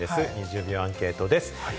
２０秒アンケートです。